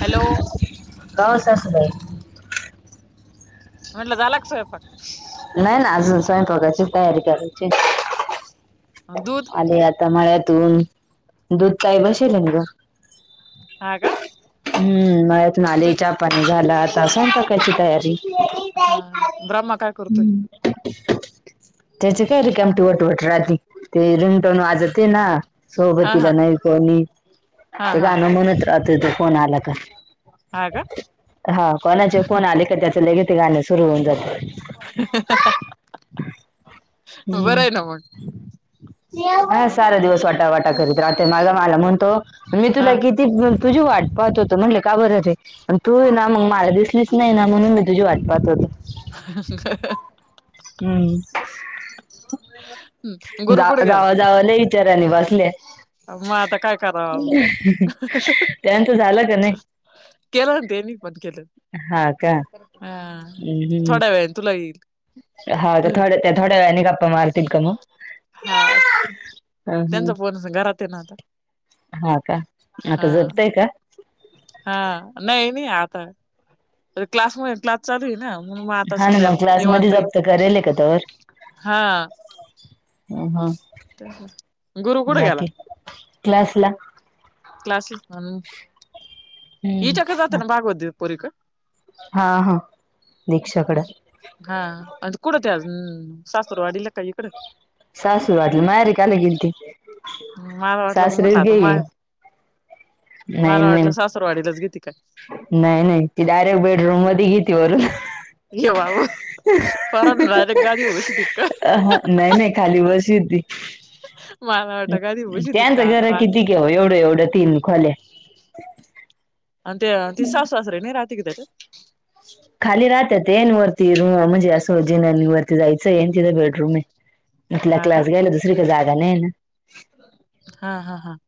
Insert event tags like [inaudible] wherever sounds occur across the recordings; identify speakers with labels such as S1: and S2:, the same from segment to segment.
S1: Hello
S2: काय वो सासुबाई.
S1: म्हटलं झाला का स्वयंपाक.
S2: नाही ना, अजून स्वयंपाकाची तयारी करायची
S1: दूध
S2: आली आज च्यामळ्यातून दूध कायी बसेल ग.
S1: हा का
S2: हम्म मळ्यातून
S1: तू
S2: आले चहा पाणी घाला आता स्वयंपाकाची तयारी.
S1: हा ब्रह्मा का
S2: हम्म त्याची काय रिकाम वटवट राहते ते रिंगटोन वाजते ना.
S1: हा
S2: सोबतीला
S1: हा
S2: नाही कोणी
S1: हा
S2: ते
S1: हा
S2: गाणं म्हणत रात्रीचा फोन आला का
S1: हा का
S2: हा कोणाचे फोन आले का त्याच लगेच ते गाणं सुरु होऊन जाते.
S1: बरं
S2: हम्म
S1: आहे ना मग.
S2: हा. सारा दिवस वटावटा करीत राहते माग मला म्हणतो मी
S1: हा
S2: तुला किती प्रत्येक जण तुझी वाट पाहत होत म्हटलं का. बर रे. तू आहे ना मग मला दिसलीच नाही ना, म्हणून मी तुझी वाट पाहत होत. हम्म
S1: गुरु कुठे गेला
S2: जावा जावा लय विचारांनी बसल्या.
S1: मग आता काय करावं
S2: त्यांच झालं का नाही?
S1: केलं ना त्यांनी पण केलं.
S2: हा का
S1: हा.
S2: हम्म
S1: थोड्या वेळाने तुला येईल.
S2: हा. का थोडे ते थोड्या वेळाने गप्पा मारतील की नाही.
S1: हा त्यांचा फोन असं घरात आहे ना आता
S2: हा का
S1: हा
S2: आता झोपतय का?
S1: हा. नाही नाही आता अर क्लास मध्ये, क्लास चालू आहेय ना. मग, आता
S2: हा ना
S1: सध्या
S2: मग क्लास मध्ये
S1: निवांत आहे मी
S2: जप्त करेल का
S1: हा.
S2: ह. ह.
S1: गुरु कुठे गेला
S2: बाकी क्लास ला
S1: क्लासला इच्या कड, जात
S2: हम्म
S1: भागवत पोरी कडे
S2: हा. हा. दीक्षाकड
S1: हा. कुठं ते आजून सासूरवाडीला का इकडं?
S2: सासूरवाडीला माहेरी का ला गेलती.
S1: माझ म्हटलं
S2: सासरेच
S1: मोटला तो
S2: गेली
S1: हाय. मला
S2: नाही नाही
S1: वाटलं सासर वाडीलाच गेली का काय?
S2: नाही, नाही ती डायरेक्ट बेडरूम मध्ये घेती वरून
S1: ये बाबो पोराला डायरेक्ट गादीवर उशी
S2: नाही नाही
S1: [unintelligible]
S2: खाली बसती
S1: वाटलं गादी बसवती
S2: त्यांच
S1: काय आता
S2: घर
S1: राज
S2: किती. एवढं, एवढं ती खोल्या
S1: अ ते ति सासू सासरे नाही राती का त्याच्यात.
S2: खाली राहात ते न वरती रूम म्हणजे जिना वरती जायचं ऐ तिथं बेडरूम आहे.
S1: हा का
S2: क्लास घ्यायला दुसरीकडे जागा नाही ना
S1: हा हा हा.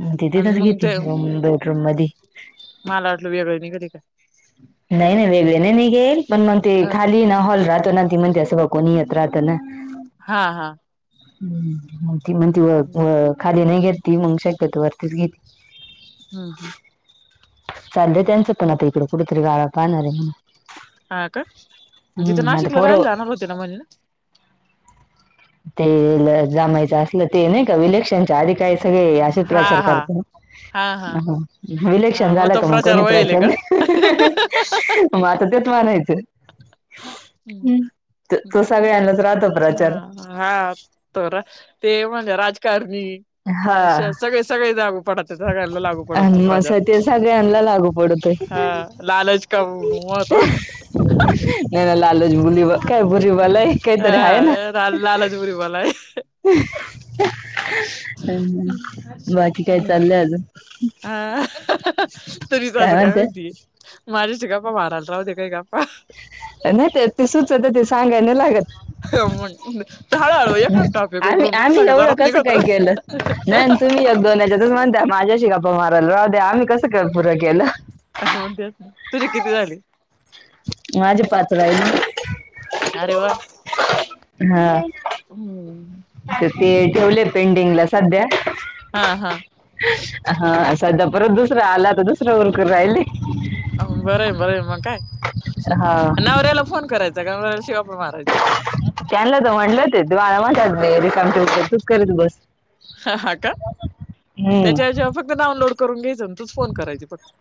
S2: हम्म ति
S1: आणि
S2: तिथेच
S1: मग
S2: घेती
S1: ते
S2: बेडरूम मध्ये
S1: मला वाटलं वेगळं निघाली काय.
S2: नाही नाही वेगळे नाही निघेल पण मग ते
S1: हा
S2: खाली ना हॉल राहतो ना ती. म्हणते असं बघ कोणी येत राहत ना.
S1: हा हा
S2: हम्म मग ती म्हणती खाली नाही घेत ती मग शक्यतो वरतीच घेती.
S1: हम्म हम्.
S2: चाललं त्यांचं पण आता इकडे कुठेतरी गाळा पाहणार आहे.
S1: हा का
S2: म्हणून
S1: तिथं
S2: हम्म आता
S1: नाशिकला
S2: पोर
S1: राहायला जाणार होते ना म्हणल.
S2: तेल जमायचं असल ते नाही का विलेक्शनच्या आधी काही सगळे असे
S1: हा
S2: प्रचार
S1: हा
S2: करतात.
S1: हा हा
S2: अ विलेक्शन झालं
S1: तो
S2: का मग कोणी
S1: वळेल आहे
S2: प्रचार
S1: का
S2: नाही [unintelligible] मग आता तेच म्हणायचं. हम् त तसा
S1: ते
S2: सगळ्यांनाच राहतो प्रचार.
S1: हा हा तोरा ते म्हणजे राजकारणी
S2: हा
S1: अा श सगळे सगळे लागू पडत सगळ्यांला लागू पडत तो
S2: आणि मग स
S1: प्रचार.
S2: ते सगळ्यांना लागू पडतोय
S1: हा लालच का महत्व [unintelligible]
S2: नाही ना लालच बुली काय बुरी बला हे काहीतरी आहे ना
S1: लालाच बुरी बला है.
S2: बाकी काय चाललंय अजून?
S1: हा तरीच आस काय म्हणती. माझाशी गप्पा मारायला राहु दे काही गप्पा.
S2: नाही ते ते सुचत ते सांगायला नाही लागत.
S1: मग ते हळूहळू एखादा टॉपिक
S2: आम्ही
S1: उकरून काढला
S2: आम्ही
S1: क
S2: एवढं
S1: जोरात
S2: कसं काय
S1: निघतो.
S2: [unintelligible] नाही तुम्ही य दोनच्या त म्हणताय माझ्याशी गप्पा मारायला राह दे आम्ही कसं पूरं केलं
S1: हो ते तुझी किती झाले?
S2: माझे पाच राहिले.
S1: अरे वा!
S2: हा.
S1: हम्म [unintelligible]
S2: तर ते ठेवले पेंडिंगला सध्या.
S1: हा हा
S2: हा सध्या परत दुसरा आला तर दुसरं उरकू राहिले.
S1: बरं आहे बरं आहे मग काय
S2: हा
S1: नवऱ्याला फोन करायचा का नवऱ्याशी गप्पा मारायच्या.
S2: त्यांनाला तर म्हटलं ते म्हणतात [unintelligible] रिकाम ठेव तूच करीत बस.
S1: ह हा का
S2: हम्म
S1: त्याच्या जेव्हा फक डाउनलोड करून घ्याचं तूच फोन करायच फक्त.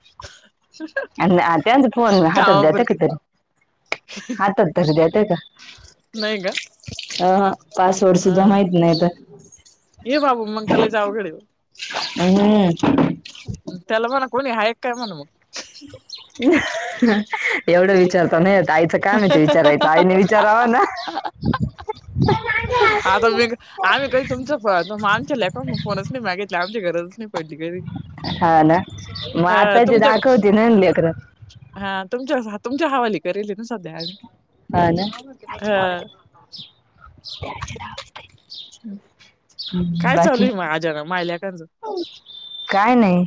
S2: आणि त्याच फोन हातात देतात
S1: कामापुरती
S2: का तरी? हातात तरी देतायेत का?
S1: नाही का
S2: अह पासवर्ड
S1: हा
S2: सुद्धा माहित नाही तर.
S1: ये बाबो मग तर लयच अवघड आहे.
S2: हम्म
S1: त्याला म्हणाव कोणी हाय का म्हणाव.
S2: एवढं विचारत नाही तर येत आईचं काम आहे ते विचारायचं आईने विचारावा ना.
S1: आता मी आम्ही काही तुमच हो तो मानसयकण मग फोनच नाही मागितले आमची गरजच नाही
S2: हा ना
S1: [unintelligible]
S2: मग
S1: हा
S2: आता ते
S1: तुमच्या
S2: दाखवते ना लेकरं
S1: [unintelligible] हा तुमच्या तुमच्या हवाली करेले ना सध्या.
S2: हा ना
S1: ह
S2: हम्म,
S1: काय चालू
S2: बाकी
S1: आहे म माज्या ना मायल्याकच?
S2: काय नाही.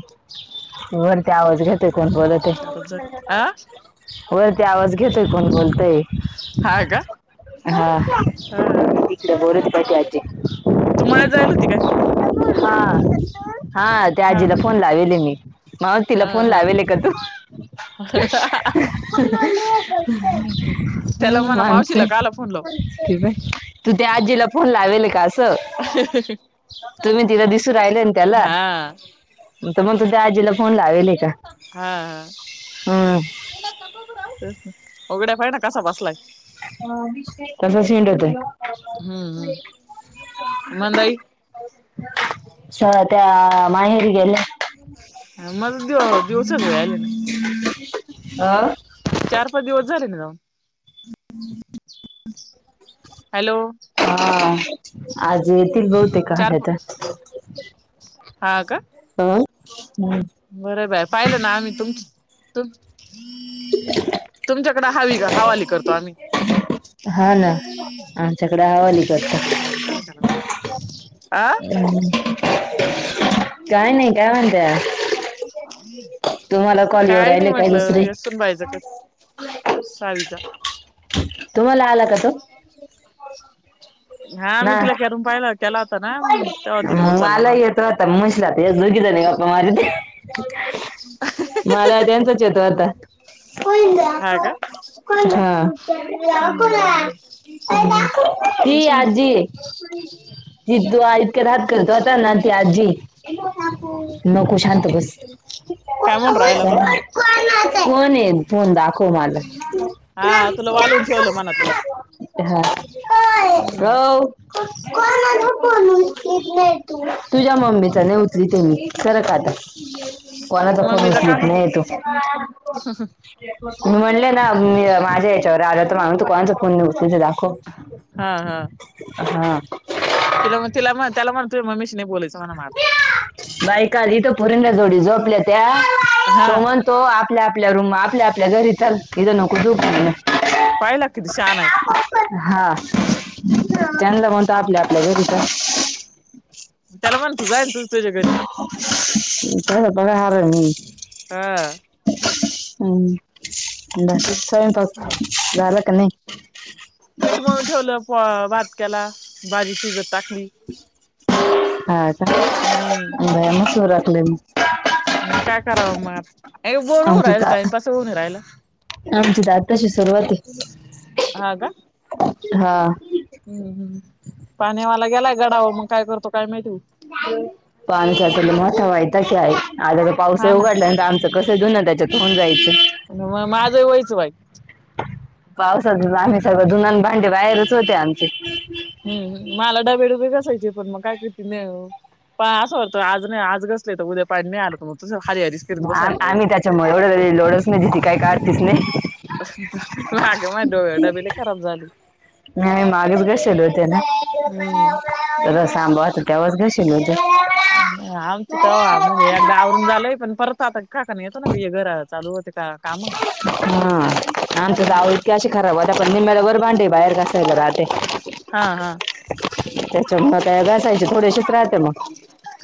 S2: बरते आवज देताय कोण बोलवतय.
S1: चारच जण आ
S2: [unintelligible] होय ते आवाज घेतय कोण बोलतय.
S1: हा का
S2: हा
S1: हा
S2: तिकडे बोलावते पाहय‌ ती आजी.
S1: तु मळ्यात जायल होती काय?
S2: हा हा त्या आजीला फोन लावेले मी मग तिला
S1: हा
S2: फोन
S1: हा
S2: लावेले का तू ह
S1: त्याला
S2: [unintelligible]
S1: म्हणा
S2: माणसं
S1: मावशीला काला फोन लाव
S2: हे. तू त्या आजीला फोन लावेले का असं? तुम्ही तिला दिसून राहिले, ना त्याला
S1: हा
S2: मग तुझ्या दाजीला
S1: हा.
S2: हम्म
S1: हा‌. उघड्या पाही नि कसा बसलाय.
S2: अ विषय. तसाच हिंडवतोय.
S1: हम्म हम् मंदाई
S2: स त्या माहेरी गेल्या.
S1: हा माझं दिव दिवसच आले नाय.
S2: अ
S1: चार, पाच दिवस झाले ना जाऊन. हॅलो.
S2: हा. आज येतील बहुतेक
S1: चार
S2: आले तर
S1: हा का?
S2: हम्म.
S1: बरं बाय पाहिलं ना आम्ही तुम तुमच्या तिकड हवी का हवाली करतो आम्ही.
S2: हा. ना आमच्याकडे आलीत वाटतं.
S1: [unintelligible] [inaudible]
S2: काय नाही काय म्हणताय? कॉल येऊ
S1: काय नाही,
S2: राहिले
S1: म्हटलं
S2: दुसरे
S1: या सून बाई क सहावीचा
S2: तुम्हाला आला का तो?
S1: [unintelligible] हा. मी
S2: ना
S1: तिला करून पाहिला केला होता ना तेव्हा तिने उचलला नव्हता.
S2: त्या मशीला ते दोघीजणी [unintelligible] मला, त्यांचाच येतो आता
S1: हा का हम्म
S2: हा. ही
S1: तेच म्हटलं
S2: आजी ही इतकं राहत, इतकं राहत तू करतो ना ती आजी. नको शांत बस.
S1: काय म्हणून राहिला तो.
S2: कोण आहे, फोन दाखव माझं
S1: हा तुला वालून ठेवलं म्हणा तुला हम्म.
S2: होव. तुझ्या मम्मीचा नाही उचलीत मी सरक आता. कोणाचा फोन उचलीत नाहीये तो.
S1: हं.
S2: मी म्हणलं ना मी माझ्या याच्यावर आलो हो तर माणून त कोणचा फोन उचल दाखव.
S1: हा. हा.
S2: हां.
S1: तिला म्हण तिला म्हण त्याला म्हण. ते मम्मीशी नाही बोलत. तिचं मला माहीत
S2: बाय काल इथो पुरंदा जोडी झोपल्या त्या.
S1: हा
S2: तो म्हणतो आपल्या आपल्या रूम आपल्या आपल्या घरीचा तिथं नको झोपू.
S1: पाहिला किती शहाणा आहे.
S2: हा त्यांनला म्हणतो आपल्या आपल्या घरी चाल.
S1: त्याला म्हणं, तू जायन तू
S2: [unintelligible] हम्म.
S1: हा
S2: बाकीचा स्वयंपाक झाला का नाही.
S1: पीठ मळून ठेवला, भात केला. भाजी शिजत टाकली
S2: हा का?
S1: हम्म
S2: बरंच उराकलय मग.
S1: मग काय करावं मग आत बोर होऊ
S2: आमची
S1: राहिल
S2: ता
S1: टाइमपास होऊन राहिला.
S2: आमची डाळ तशी सुरवात आहे
S1: हा का
S2: हा.
S1: हम्म हम्म. पाण्यावाला गेलाय गडावर, मग काय करतो काय माहीती.
S2: पानसा [unintelligible] तल मोठावायता काय आध
S1: हा
S2: पाऊसही
S1: ना
S2: उघडलंय. नाही तर आमचं कसंही धुण त्याच्यात होऊन जायचं.
S1: मग माझं वयच बाई
S2: पावसातच आम्ही सगळं धुण आणि भांडे बाहेरच होते आमचे.
S1: हम्म हम्म. मला डबे डुबे घासायचेत, पण मग काय करती [unintelligible] पण असं होतं आज नाही आज घासले, तर उद्या पाणी आलं. मग तुज हरी हरीच करत
S2: आम-
S1: बसायला लागलं.
S2: आम्ही त्याच्यामुळे एवढं लोडच नाही ती काय काढतीच नाही
S1: माग माझं डबे लई खराब झाली.
S2: नाही मागेच घाशेल होते ना.
S1: हम्म
S2: रस आंबा होता त्यावेळेस घाशे [unintelligible]
S1: हा आमचं तवा आवरून झालंय, पण परत आता काकानं येतो ना [unintelligible] घर चालू होते का काम.
S2: हा आमचं जाव इतके अशी खराब होत्या, पण निम्म्याला वर भांडे बाहेर घासायला राहत. ते
S1: हा हा
S2: त्याच्यामुळं काय घासायचे थोडेशेच राहते मग.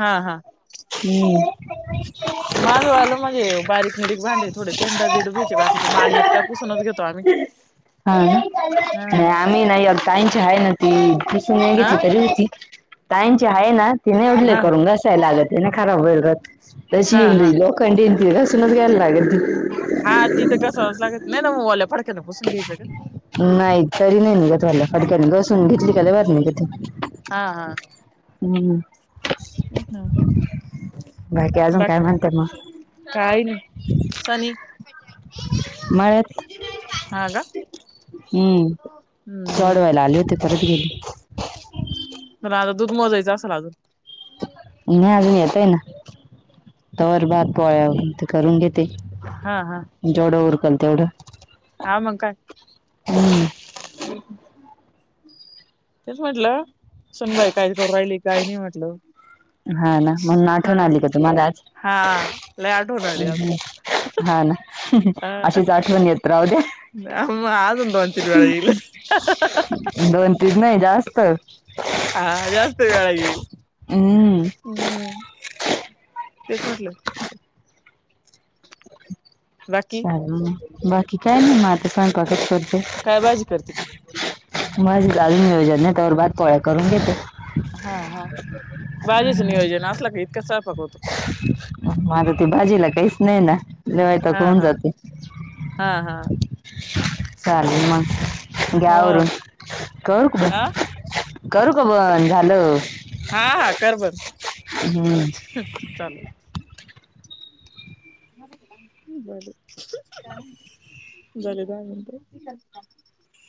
S1: हा हा.
S2: हम्म.
S1: माझं वालं म्हणजे बारीक निरीक भांडे आहेत. थोडे शेंड बीड भेयचे बाकीचं मारण्यात काय पुसूनच घेतो आम्ही.
S2: हा
S1: हा
S2: ना आम्ही नाही अ काहीची आहे न ती कसून
S1: हा
S2: घेतली तरी होती. ताईचे आहे ना ति निवढले
S1: हा
S2: करून घसायला लागतने खराब होईल राहते [unintelligible] तशी
S1: हा हा
S2: [unintelligible] लोखंडी आणि ती घासूनच घ्यायला लागती.
S1: हा तिथं कसा [unintelligible] लागत नाही ना मग वाल्या फडक्यान पुसून घ्यायचं ग.
S2: नाही तरी नाही निघत्हाला फडक्याने घासून घेतली की लय भारी निघती.
S1: हा हा.
S2: हम्म.
S1: हम्म.
S2: बाकी अजून काय म्हणते मग?
S1: काही नाही. सनी
S2: मळ्यात.
S1: हा का?
S2: हम्म चढ वेयला आले होते परत गेले.
S1: पण आता दूध मोजायचं असेल अजून?
S2: नाही अजून येतय ना तवर भात पोळ्या आवरल ते करून घेते,
S1: हा हा.
S2: जेवढं उरकल तेवढं.
S1: हा मग काय.
S2: हम्म.
S1: [unintelligible] तेच म्हंटलं सुनबाई काय करून राहिली काही नाही म्हटलं.
S2: हा ना. म्हणून
S1: हा
S2: आठवण आली का तुम्हाला आज?
S1: हा लय आठवण आली आज.
S2: हा ना
S1: अ
S2: अशीच आठवण येत राहु द्या.
S1: [unintelligible]
S2: दोन तीन नाही जास्त.
S1: हा जास्त वेळा येईल.
S2: हम्म.
S1: हम्म तेच म्हटलं. बाकी
S2: चालेल मग, बाकी काय नाही मग आता
S1: काय भाजी करते पण
S2: [unintelligible] माझं [unintelligible] नियोजन नाही, तोवर भात पोळ्या करून घेते.
S1: हा हा. भाजीचा नियोजन असलं की इतक्यात स्वयंपाक होतो.
S2: [unintelligible] भाजीला काहीच नाही येणार लय वैताग
S1: हा
S2: होऊन
S1: हा
S2: जाते.
S1: हा हा.
S2: चालेल मग घ्या
S1: हो
S2: आवरून करू का
S1: हा
S2: बंद? करू का बंद? झालं.
S1: हा हा कर बंद.
S2: हम्म.
S1: हम चा [unintelligible]